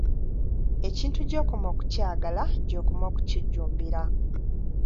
Ekintu gy'okoma okukyagala gy'okoma okukijjumbira.